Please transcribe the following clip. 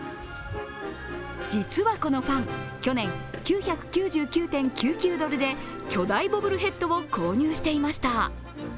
実はこのファン、去年、９９９．９９ドルで巨大ボブルヘッドを購入していました。